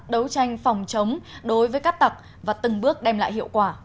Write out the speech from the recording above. đấu tranh phòng chống đối với cát tặc và từng bước đem lại hiệu quả